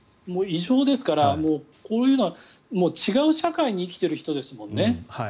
異常ですからこういうのは違う社会に生きている人ですもんね。